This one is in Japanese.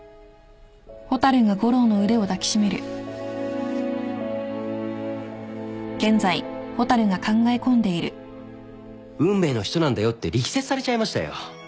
運命の人なんだよって力説されちゃいましたよ